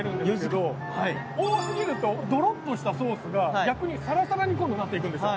多すぎるとドロッとしたソースが逆にサラサラに今度なっていくんですよ。